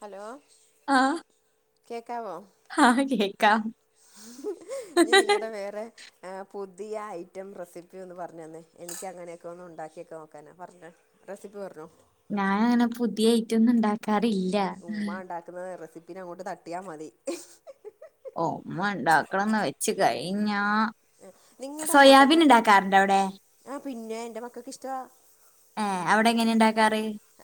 Hello ആഹ് കെക്കാവോ കേക്കാം [unintelligible] ഇനി നിങ്ങടെ വെറെ ആഹ് പുതിയ ഐറ്റം റെസിപ്പി ഒന്ന് പറഞ്ഞു തന്നെ എൻക്കി അങ്ങനെയോക്കെ ഒന്ന് ഉണ്ടാക്കിയോക്കെ നോക്കാനാ പറഞ്ഞ റെസിപ്പി പറഞ്ഞോ ഞാൻ അങ്ങനെ പുതിയ ഐറ്റം ഒന്നും ഉണ്ടാക്കാറി ഉമ്മാ ഉണ്ടാക്കുന്നത് റെസിപ്പീനെ അങ്ങോട്ട് തട്ടിയാൽ മതി ഒ ഉമ്മ ഉണ്ടാക്കണംന്ന് വെച്ച് കഴിഞ്ഞാ സോയാബിൻ ഇണ്ടാക്കാറുണ്ടോ അവിടെ ആഹ് പിന്നെ ന്റെ മക്കക്ക് ഇഷ്ട്ടാ ഏ അവ്ടെ എങ്ങനെ ഇണ്ടാക്കാർ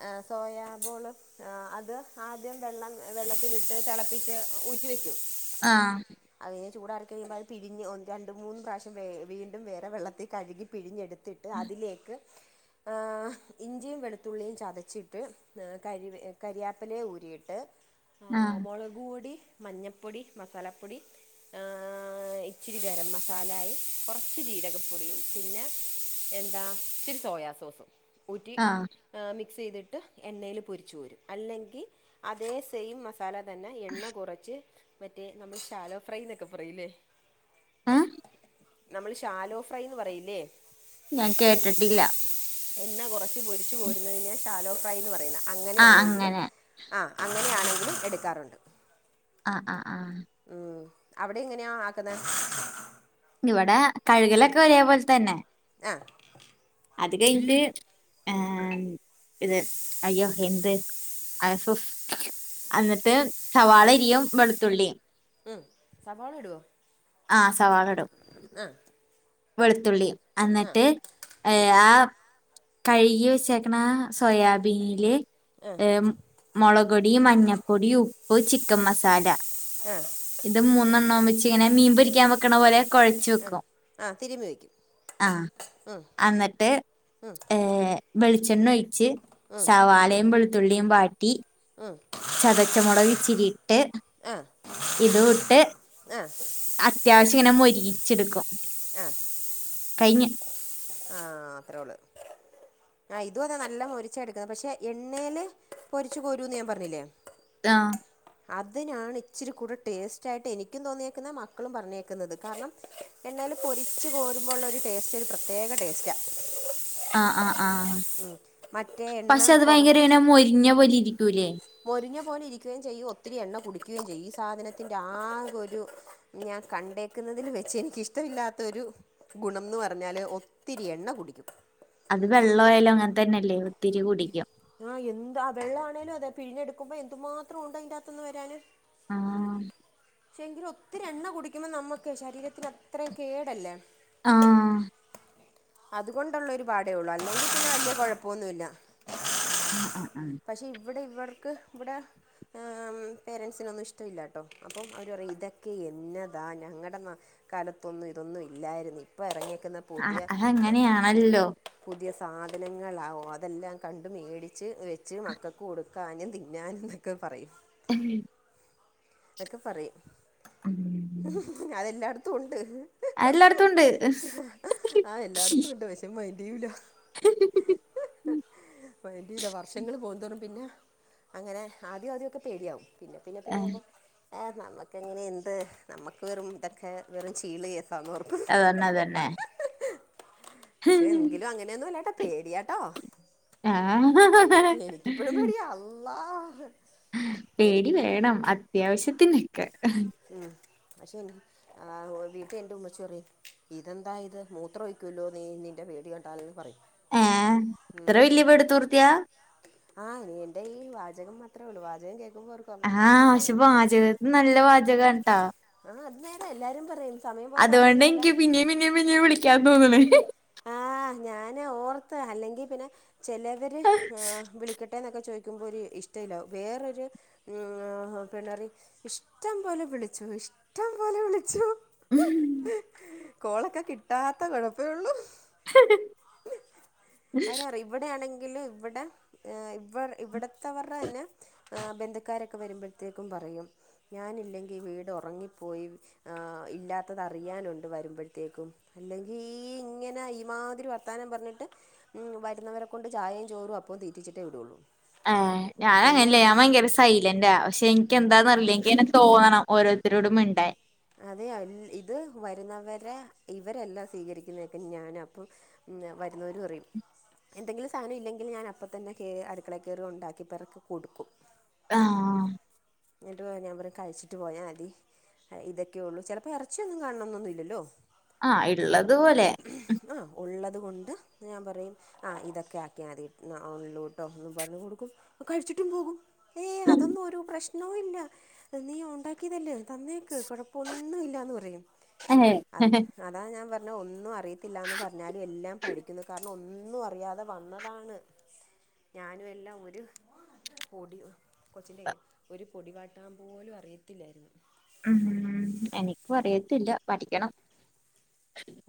അ സോയാബോളും ആഹ് അത് ആദ്യം വെള്ളം വെള്ളത്തിലിട്ട് തെളപ്പിച്ച് ഊറ്റി വെക്കും ആഹ് അതിൻ ചൂടാറി കഴുമ്പോൾഅത് പിരിഞ് [unintelligible] രണ്ട്മൂന്നു പ്രാവശ്യം വെ വീണ്ടും വെറെ വെള്ളത്തിൽ കഴ്‌കി പിഴിഞ് എടുത്തിട്ട് അതിലെക്ക് ആഹ് ഇഞ്ചിയും വെളുത്തുള്ളിയും ചതച്ചിട്ട് കരിവ് കരിയാപ്പലെ ഊരിയിട്ട് ആ ആഹ് മോളകുപോടി മഞ്ഞപ്പോടി മസാലപ്പോടി ആഹ് ഇച്ചിരി ഗെരം മസാ മസാലായും കുറച്ച് ജീരകപ്പോടിയും പിന്നെ എന്താ ഇച്ചിരി സോയാ സോസും ഊറ്റി ആ മിക്സ് ചെയ്തിട്ട് എണ്ണയിൽ പോരിച്ചുകോരും അല്ലെങ്കിൽ അതെ സെയിം മസ് സാല തന്നെ എണ്ണ കുറച്ച് മറ്റെ നമ്മൾ ശാലോ ഫ്രൈന്നോക്കെ പറയില്ലെ അ നമ്മൾ ശാലോ ഫ്രൈന്ന് പറയില്ലെ ഞാൻ കേട്ടട്ടില്ല എണ്ണ കോറച്ച് പൊരിച്ചു കോരുന്നതിനയാ ഷാലോ ഫ്രൈന്ന് പറയുന്നെ ആ അങ്ങനെയാണെങ്കിലും അങ്ങനെ ആ അങ്ങനെയാണെങ്കിലും എടുക്കാറുണ്ട് ആഹ് ആഹ് ആഹ് ഉം അവിടെങ്ങനെയാ ആക്കുന്നെ ഇവിടെ കഴുകലൊക്കെ ഒരേ പോലെ തന്നെ ആഹ് അത് കഴിന്ട്ട് ഉം ഇത് അയ്യോ എന്ത് അസൊസ് അന്നിട്ട് സവാളെരിയും വെളുത്തുള്ളി ഉം സവാള ഇടുവോ ആഹ് സവാള ടും. ആഹ് വെളുത്തുള്ളി എന്നിട്ട് ഏഹ് ആ കഴുകി വെച്ചേക്കണ ആ സോയാബീനില് മൊളകൊടി മഞ്ഞപ്പൊടി ഉപ്പ് ചിക്കൻ മസാല ആഹ് ഇത് മൂന്നെണ്ണവും വെച്ച് ഇങ്ങനെ മീൻ പൊരിക്കാൻ വെക്കണ പോലെ കൊഴച്ച് വെക്കും ആഹ് തിരുമി വെക്കും ആഹ് അന്ന്ട്ട് ഏഹ് വെളിച്ചെണ്ണ ഒഴിച്ച് സവാളയും വെളുത്തുള്ളിം വാട്ടി ഉം ചതച്ച മൊളക് ഇച്ചിരിയിട്ട് ആ ഇതു ഇട്ട് ആ അത്യാവശ്യ ഇങ്ങനെ മൊരിയിച്ചെടുക്കും ആഹ് കയ്ഞ്ഞ് ആഹ് ഇത്രെ ഒള്ള് ആഹ് ഇതു അതെ നല്ല മൊരിച്ചാ എടുക്കുന്നെ പക്ഷെ എണ്ണേൽ പൊരിച്ചു കോരൂന്ന് ഞാൻ പറഞ്ഞില്ലേ ആഹ് അതിനാണ് ഇച്ചിരി കൂടെ ടേസ്റ്റായിട്ട് എനിക്കും തോന്നിയേക്കുന്നെ മക്കളും പറഞ്ഞേക്ക്ന്നത് കാരണം എണ്ണേല് പൊരിച്ച് കോരുമ്പോ ഉള്ളൊരു ടേസ്റ്റ് ഒരു പ്രത്യേക ടേസ്റ്റാ. ആഹ് ആഹ് ആഹ് ഉം മറ്റേ എണ്ണ കൊറ ങ്ങനെ മൊരിഞ്ഞ പോലിരിക്കൂല്ലേ മൊരിഞ്ഞ പോലെ ഇരിക്കുകയും ചെയ്യും ഒത്തിരി എണ്ണ കുടിക്കുകയും ചെയ്യും ഈ സാധനത്തിന്റെ ആകൊരു ഞാൻ കണ്ടേക്ക്ന്നതിൽ വെച്ച് എനിക്കിഷ്ടവില്ലാത്തൊരു ഗുണംന്ന് പറഞ്ഞാല് ഒത്തിരി എണ്ണ കുടിക്കും. അത് വെള്ളവായാലും അങ്ങൻ തന്നല്ലേ ഒത്തിരി കുടിക്കും ആഹ് എന്ത് ആഹ് വെള്ള ആണേലും അതെ പിഴിഞ്ഞെടുക്കുമ്പം എന്ത്മാത്രം ഉണ്ടയിന്റാത്ത്ന്ന് വരാന് ആഹ് പക്ഷെങ്കിലും ഒത്തിരി എണ്ണ കുടിക്കുമ്പം നമ്മക്ക് ശരീരത്തിനത്രയും കേടല്ലേ ആഹ് അത്കൊണ്ടുള്ളൊരു പാടേ ഉള്ളൂ അല്ലെങ്കി പിന്നെ വല്യ കൊഴപ്പോന്നുല്ല ആഹ് ആഹ് ആഹ് പക്ഷെ ഇവിടെ ഇവർക്ക് ഇവടെ ഏഹ്ഉം പേരൻസിനൊന്നും ഇഷ്ടവില്ലാട്ടോ അപ്പം അവര് പറയും ഇതൊക്കെ എന്നതാ ഞങ്ങടെ നാ കാലത്തൊന്നും ഇതൊന്നും ഇല്ലായിരുന്ന് ഇപ്പൊ എറങ്ങിയെക്കുന്ന ആഹ് അഹങ്ങനെയാണല്ലോ പുതിയ സാധനങ്ങളാവോ അതെല്ലാം കണ്ട് മേടിച്ച് വെച്ച് മക്കക്ക് കൊടുക്കാനും തിന്നാനും ന്നൊ ക്കെ പറയും [unintelligible] അതൊക്കെ പറയും. ഉം. അതെല്ലാട്ത്തും ഉണ്ട്. അയെല്ലാട്ത്തുംണ്ട് മതിയുലാഹ് വേണ്ടില്ല വർഷങ്ങള്പോവുന്തോറും പിന്നെഅങ്ങനെആദ്യം ആദ്യോക്കെ പേടിയാവും. പിന്നെ, പിന്നെ ഏഹ്, പിന്നാവുമ്പോ. നമുക്കെങ്ങനെഎന്ത്നമുക്ക് വെറും ഇതൊക്കെവെറും ചീള്കേസന്നോർക്കും. അതന്നെ, അതന്നെ. പക്ഷെഎങ്കിലും അങ്ങനെയൊന്നുംല്ലട്ടോ പേടിയാട്ടൊ ആ, എനിക്ക്, എനിക്ക് പ്പഴുംപേടിയാ അള്ളാഹ്. പേടിവേണം അത്യാവശ്യത്തിനക്കെ. ഉം പഷേആഹ്ഓതിട്ട്എന്റെഉമ്മച്ചിറിയും. ഇതെന്താഇത് മൂത്രോയ്ക്കൂല്ലോ നീ നിന്റെ പേടികണ്ടാലന്ന്പറയും. ഏഹ്ഇത്രവെല്യപേടിത്തൂറത്യ. ആഹ്ഇനിഎന്റെ ഈ വാചകം മാത്രേള്ളൂവാചകം കേക്കുമ്പോർ ആഹ്പഷേവാചക നല്ലവാ ചകാട്ടാ. ആ അത് നേരെ എല്ലാവരും പറയും സമയം പോകുന്ന അറിയുകയില്ല അതോണ്ടെനിക്ക്പിന്നിം പിന്നിംപിന്നിംവിളിക്കാതോന്നണെ. ആഹ്ഞാനോർത്ത്അല്ലെങ്കിപിന്നെ ചെലവര് വിളികെ ട്ടേന്നൊക്കെചോയിക്കുമ്പോരു ഇഷ്ടല്ല. വേറൊരു ഉം ആ പിണറിഇഷ്ടംപോലെവിളിചോ. ഇഷ്ടംപോലെ വിളിചോ. ഉം. കോളൊക്ക കിട്ടാത്തകൊഴപ്പേള്ളൂ. [unintelligible] ആരെറിയും ഇവിടെയാണെങ്കില്ഇവ്ടെ ഇവ് ഇവിടുത്തെവറെന്നെ ബന്ധുക്കാരൊക്കെ വരുമ്പഴ്ത്തേക്കും പറയും ഞാനില്ലെങ്കിഈവീട്ഒറങ്ങിപ്പോയി. ആഹ്ഇല്ലാത്തത്അറിയാനുണ്ട് വരുമ്പോഴത്തേക്കുംഅല്ലെങ്കി ഈ ഇങ്ങനെ ഈമാതിരിവ ർത്താനംപറഞ്ഞിട്ട്ഉം വരുന്നവരെക്കൊണ്ട് ചായേം ചോറും അപ്പോം തീറ്റിച്ചിട്ടെവിടുള്ളൂ. ഏഹ് ഞാനാങ്ങനല്ലേ ഞൻ ഭയങ്കരസ സൈലന്റാ പഷേഎനിക്കെന്താന്ന്റിയില എനിക്കങ്ങനെതോന്നണം ഓരോരുത്തരോടുംമിണ്ടാൻ അതെഇത് വരുന്നവരെഇവരല്ല സ്വീകരിക്കുന്നതൊക്കെ ഞാനാ അപ്പോ മ്ഞ വരുന്നൊരുപറയും എന്തെങ്കിലും സാനം ഇല്ലെങ്കിൽ ഞാൻ അപ്പതന്നെ കേ അടുക്കളെകേറി ഒണ്ടാക്കിപെറക്കി കൊടുക്കും. ആഹ്. ന്നിട്ട് ഞൻപറയുംകഴിച്ചിട്ട് പോയാതി. ഇതൊക്കെഒള്ളൂ ചെലപ്പോ എറച്ചിയൊന്നും കാണന്നൊന്നുല്ലല്ലോ. ആഹ്ഇള്ളതു പോലെ. ആഹ് ഉള്ളത്കൊണ്ട്ഞാൻ പറയും. ആഹ് ഇതൊക്കെആക്കിയാമതിഒള്ളുട്ടോന്നുംപറഞ്കൊടുക്കും കഴിച്ചിട്ടും പോകും. ഏയ്അതൊന്നൊരു പ്രശ്നോഇല്ല നീ ഒണ്ടാക്കിയതല്ലേ തന്നേക്ക് കൊഴ പ്പൊന്നുംല്ലന്ന്പറയും. ഏഹ് അത്, അതാഞാൻ പറഞ്ഞഒന്നുഅ അറിയത്തില്ലാന്ന് പറഞ്ഞാലുംഎല്ലാം പഠിക്കുന്നുകാരണം ഒന്നും അറിയാതെ വന്നതാണ്. ഞാനുംഎല്ലാംഒരുപൊടി കൊച്ചിൻ്റെല് ഒരു പൊടിവാട്ടാമ്പോലും അറിയത്തില്ലാരുന്നു. ഉം ഉ എനിക്കുഅറിയത്തില്ല പഠിക്കണം.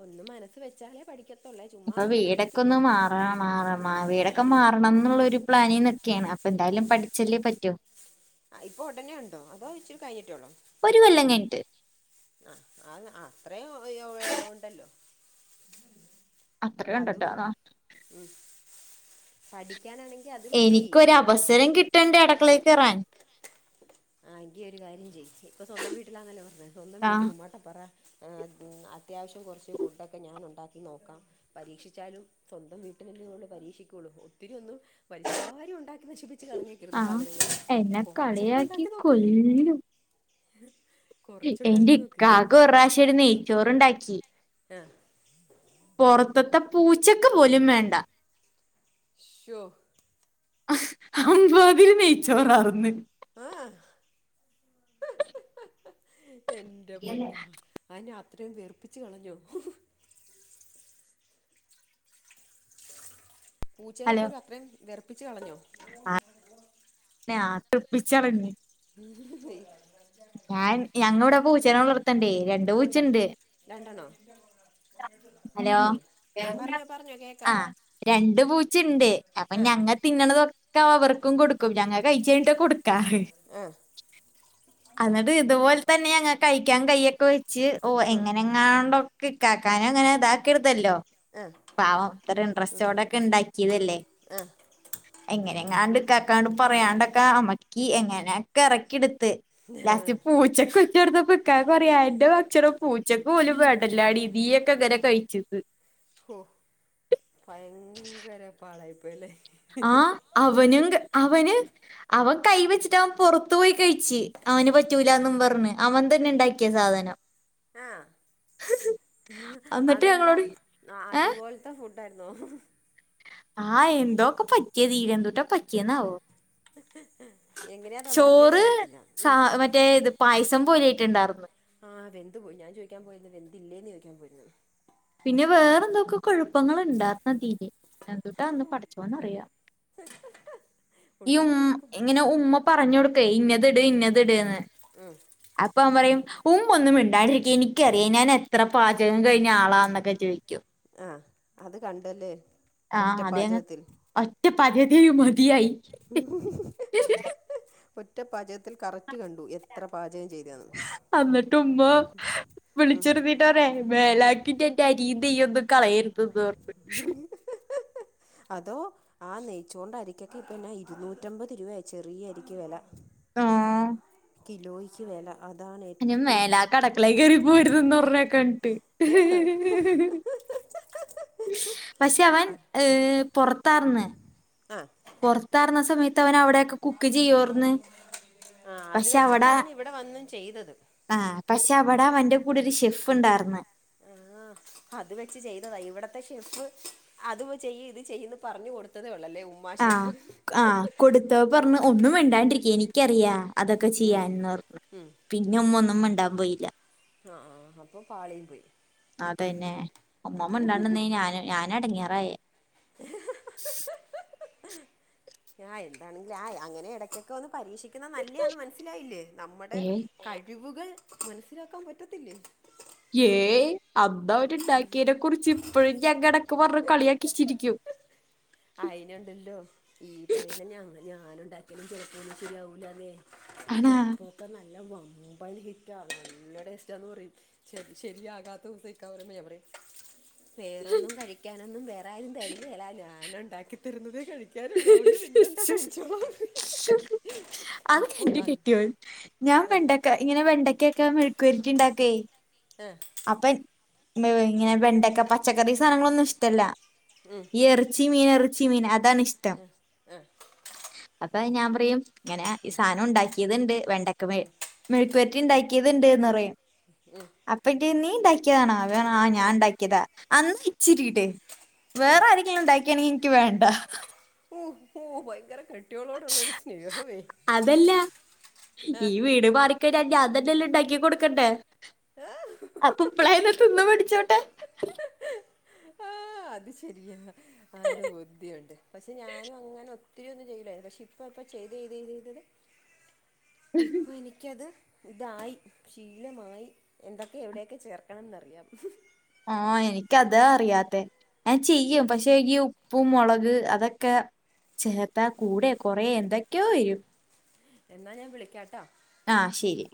ഒന്നുമനസ്സ് വെച്ചാലേ പഠിക്കത്തുള്ളേ. ഇപ്പൊ ചുമ്മാഒന്നും വീടൊക്കെ പഠിക്കത്തില്ല. ഒന്ന് മാറണം മാറ മാ വീടൊക്കെ മാറണം എന്നുള്ളരു പ്ലാനിനിക്കാണ്. അപ്പോ എന്തായാലും പഠിച്ചല്ലേ പറ്റോ. ആഹ് ഇപ്പോ ഒടനെ ഉണ്ടോ അതോ ഇച്ചിരി കഴിട്ടെ ഒള്ളോ? ഒരു കൊല്ലം കഴിഞ്ഞിട്ട്. ആഹ് അത് അത്രേം ഒണ്ടല്ലോ. അപ്പ അത്രയും അതുകൊ ഉണ്ടട്ടോ ഉം പഠിക്കാനാണെങ്കി അത് മതി എനിക്കൊരു അവസരം കിട്ടണ്ടേ അട്ക്കളേ കേറാൻ. ആഹ് എങ്കിഒരുകാര്യംചെയ് ഇപ്പൊസ്വന്തംവീട്ടിലാന്നല്ലേ പറഞ്ഞത് സ്വന്തംവീട്ടി ആഹ് ഉമ്മാട്ടപറ. അത്യാവശ്യം കുറച്ച് ഫുഡക്കെ ഞാൻ ഉണ്ടാക്കി നോക്കാം പരീക്ഷിച്ചാലും സ്വന്തം വീട്ടിനല്ലേ കൊണ്ട് പരീക്ഷിക്കുള്ളൂ ഒത്തിരി ഒന്നും വലിച്ചു വാരി ഉണ്ടാക്കി നശിപ്പിച്ചച്ച് കളഞ്ഞേക്കരുത് ആഹ് സാധനങ്ങൾ എന്നെ കൊറച്ചൊക്കെ കളിയാക്കി ഉണ്ടാക്കി നോക്ക് കൊല്ലും എന്റെ കുറച്ചുണ്ടാക്കി നോക്ക് ഇക്കാക് ഒരു പ്രാവശ്യരു നെയ്ച്ചോറണ്ടാക്കി ഏഹ് പോറത്തത്തെ പൂച്ചക്ക് പോലും വേണ്ട ശോ അമ്മാതിരി നെയ്ച്ചോറാർന്ന് ഏഹ് എന്റെ പൊന്നെ അയന്നെ അത്രയും വെറുപ്പിച്ച് കളഞ്ഞോ പൂച്ചേനെ ഹലോ പോലും അത്രയും വെറപ്പിച്ച് കളഞ്ഞോ ആഹ് വെറുപ്പിച്ചളഞ്ഞ് മേ ഞാൻ ഞങ്ങ ഇവിടെ പൂച്ചനെ വളർത്തണ്ടേയ് രണ്ടു ഉണ്ട് പൂച്ചുണ്ട് രണ്ടെണ്ണോ ഹലോ ഉം കേ ആ പറഞ്ഞോ പറഞ്ഞോ കേക്കാം ആഹ് രണ്ട് പൂചെണ്ട് അപ്പൊ ആഹ് ഞങ്ങ തിന്നണതൊക്കെ അവർക്കും കൊടുക്കും ഞങ്ങ കഴിച്ച് കഴിഞ്ഞിട്ട കൊടുക്കാറ് ആഹ് അന്നിട്ട് ഇതുപോലെ തന്നെ ഞങ്ങ കഴിക്കാൻ കയൊക്കെ വെച്ച് ഓ ഉം എങ്ങനെങ്ങാണ്ടോ കിക്കാക്കാനങ്ങനെ ഇതാക്കിടുത്തല്ലോ ആഹ് പാവം ഇത് ഇൻട്രസ്റ്റോടെക്കെ ഇണ്ടാക്കിയതല്ലേ ആഹ് എങ്ങനെ എങ്ങാണ്ട് ഇക്കാക്കനോട് പറയാണ്ടൊക്കാ അമ്മക്കി എങ്ങനെയൊക്കെ ഇറക്കിടുത്ത് ലാസ് ആഹ് പൂച്ചക്ക് വെച്ചെടുത്തപ്പ ഇക്കാക്ക പറയാ എൻ്റെ ഭക്ഷണം പൂച്ചക്ക് പോലും വേണ്ടല്ലാടി നീയൊക്കെ എങ്ങനെ കഴിച്ച്ന്ന് ഹോ ഭയങ്കര പാടായിപ്പോയല്ലേ ആഹ് അവനും ക് അവന് അവൻ കൈ വെച്ചിട്ട് അവൻ പുറത്തു പോയി കഴിച്ചു അവന് പറ്റൂലന്നും പറഞ്ഞ് അവൻ തന്നെ ഇണ്ടാക്കിയ സാധനം ആഹ് എന്നിട്ട് അതെന്താ ഞങ്ങളോട് ഏ അതുപോൽ ത്തെ ഫുഡ് ആയിരുന്നോ ആഹ് എന്തോക്കെ പറ്റിയത് എന്തൂട്ടാ പറ്റിയന്നാവോ ഹ്‌ ഹ്‌ ചോറ് സ മറ്റേ ഇത് പായസം പോലെയിട്ടുണ്ടാർന്നു ആഹ് വെന്ദ് പോയി ഞാൻ ചോദിക്കാൻ പോയിരുന്നു വെന്തില്ലേന്ന് ചോദിക്കാൻ പോയിരുന്നു പിന്നെ വേറെ എന്തൊക്കോ കോഴപ്പങ്ങൾ ഉണ്ടാർന്നതില് എന്തുട്ടാന്ന് പഠിച്ചോനറിയാം ഈ ഉ ഉണ്ടാക്കിയവർക്കും ഇങ്ങനെ ഉമ്മ പറഞ്ഞു കൊടുക്കേ ഇന്നത് ഇട് ഇന്നത് ഇട്ന്ന് ഉം അപ്പൊ അവൻ പറയും ഉമ്മ ഒന്നും മിണ്ടാണ്ടിരിക്ക എനിക്കറിയാം ഞാൻ എത്ര പാചകം കഴിഞ്ഞ ആളാന്നൊക്കെ ചോയിക്കും ആഹ് അത് കണ്ടല്ലേ ഒറ്റ ആഹ് അതെങ് പാചകത്തിൽ ഒറ്റ പാചകത്തി മതിയായി ഒറ്റ പാചകത്തിൽ കററ്റ് കണ്ടു എത്ര പാചകം ചെതയ്യാന്ന് അന്ന്ട്ടു ഉമ്മാ വിളിച്ചെരുന്നീട്ട് പറഞ്ഞു മേലാക്കിട്ട് എന്റെ അരിയും നെയൊന്നും കളയരുതെന്ന് അതോ ആഹ് നെയ്ച്ചോറിന്റെ അരിക്കൊക്കെ ഇപ്പൊ എന്നാ ഇരുന്നൂറ്റമ്പത് രൂപയ ചെറിയ അരിക്ക് വില ആഹ് കിലോയ്ക്ക് വില അതാണ് ഇനി ഏറ്റവും മേലാ കടക്കളേ കയറിപ്പോവരുതെന്ന് പറഞ്ഞേക്കുവ എന്നിട്ട് പക്ഷെ അവൻ ഏഹ് പുറത്താർന്ന് ആഹ് പുറത്താർന്ന സമയത്ത് അവൻ അവിടെയൊക്കെ കുക്ക് ചെയ്യോർന്ന് ആഹ് അത് വെച്ചിട്ടാണ് ഇവിടെ വന്നു ചെയ്തത് ആഹ് പക്ഷെ അവിടാ അവന്റെ കൂടൊരു ഷെഫ് ഇണ്ടായിർന്നു [unintelligible] അത് വെച്ച് ചെയ്തതാ ഇവിടത്തെ ഷെഫ് അത് വെചെയ് ഇത് ചെയ്യന്ന് പറഞ്ഞ് കൊടുത്തതേ ഉള്ളല്ലേ ഉ ഷെഫ് ആഹ് കൊടുത്തപ്പൊ പറഞ്ഞ് ഒന്നു മിണ്ടാണ്ടിരിക്ക് എനിക്കറിയാ അതൊക്കെ ചെയ്യാൻന്ന് പറഞ്ഞ് പിന്നുമ്മ ഒന്നും മിണ്ടാൻ പോയില്ല ആ ആ അപ്പോൾ പാളിയും പോയി അതന്നെ ഉമ്മമ്മിണ്ടാണ്ടിന്നഴിഞ്ഞ ഞാന് ഞാനെടങ്ങേറായേ ആഹ് എന്താണെങ്കിലും ആഹ് അങ്ങനെ ഇടക്കൊക്കെ ഒന്ന് പരീക്ഷി ക്കുന്നെ നല്ലയാന്ന് മനസ്സിലായില്ലേ നമ്മടെ ഏ കഴിവുകൾ മനസ്സിലാക്കാൻ പറ്റത്തില്ലേ ഏയ് അന്നവൻ ഇണ്ടാക്കിയതിനെ കുറിച്ച് ഇപ്പഴും ഞങ്ങെടക്ക് പറഞ്ഞ് കളിയാക്കിച്ചിരിക്കും അയിനിണ്ടല്ലോ ഈ പറയുന്ന ഞങ്ങ ഞാൻ ഇണ്ടാക്കിയാലും ചിലപ്പോ ഒന്നും ശരിയാവൂല്ലാല്ലേ ആണാ ചെലപ്പോക്കെ നല്ല വമ്പൻ ഹിറ്റാവും നല്ല ടേസ്റ്റാന്ന് പറയും ശരി ശരിയാകാത്ത ദിവസം ഇക്ക പറയും എവിടെ വേറൊന്നും കഴിക്കാനൊന്നും വേറെ ആരും തരികേല്ല ഞാൻ ഒണ്ടാക്കി തരുന്നതേ കഴി ‌ക്കിനിള്ളതോണ്ട് മിണ്ടണ്ട കഴിച്ചോളാൻ പറയും അത് അപ്പൊ എന്റെ അ കെട്ടിയോൻ ഞാൻ വെണ്ടക്ക ഇങ്ങനെ വെണ്ടക്കെക്ക മെഴക്കുവരട്ടി ഉണ്ടാക്കുവേ ആഹ് അപ്പൻ ഇഹ് ഇങ്ങനെ വെണ്ടക്ക പച്ചക്കറി സാധനങ്ങളൊന്നും ഇഷ്ടല്ല ഉം ഈ എറച്ചി മീന് എറച്ചി മീന് അതാണിഷ് അഹ് ആഹ് അപ്പൊ ഞാൻ പറയും ഇങ്ങനെ ഈ സാധനം ഉണ്ടാക്കിയതിണ്ട് വെണ്ട ക്ക മെഴ് മെഴ്‌ക്കുപെരട്ടി ഉണ്ടാക്കിയതിണ്ടീന്ന് പറയും അപ്പക്കും നീ ഇണ്ടാ ക്കിയതാണ വേണ ആഹ് ഞാൻ ആ ഇണ്ടാക്കിയതാ അന്ന ഇച്ചിരി ഇട് വേറെ ആരെങ്കിലും ഇണ്ടാക്കിയാണെ ക്ക് വേണ്ട ഓഹ് ഓഹ് ഭയങ്കര ക്രെ അതല്ല ആ ഈ വീട് മാറി ക്കഴിഞ്ഞ ഞാൻതന്നെല്ലെ ഇണ്ടാക്കി കൊടുക്കണ്ടേ ഏ അപ്പ ഇപ്പളായാലും തിന്നു പഠിച്ചോട്ടെ ആഹ് അത് ശരിയാ അത് ബുദ്ധിയുണ്ട് പക്ഷെ ഞാനും അങ്ങനെ ഒത്തിരി ഒന്നും ചെയ്യൂലായിരുന്നു പക്ഷെ ഇപ്പ ഇപ്പൊ ചെയ്ത് ചെയ്ത് ചെയ്ത് ചെയ്തത് ഇപ്പൊ എനിക്കത് ഇതായി ശീലമായി എന്തൊക്കെ എവിടെയൊക്കെ ചേർക്കണംന്നറിയാം ആഹ് എനിക്കതാ അറിയാത്തെ ഞാൻ ചെയ്യും പക്ഷെ ഈ ഉപ്പും മുളക് അതൊക്കെ ചേർത്താ കൂടെ കൊറയെ എന്തൊക്കെയോ വരും എന്നാ ഞാൻ വിളിക്കാട്ടോ ആഹ് ശരി